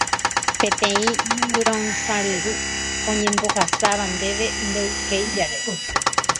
Peteĩ yro'ysã ryru oñembohasáva ndéve nde'yuhéi jave